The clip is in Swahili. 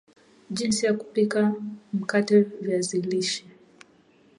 jinsi ya kupika mkate viazi lishe